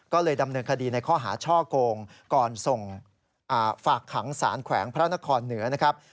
ก็เลยดำเนินคดีในข้อหาช่อโกงก่อนส่งฝากขังสารแขวงพระนครเหนือนะครับ